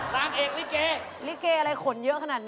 อ๋อนี่นี่เกนี่น่ะจะบอกนะห้องอั้มงาน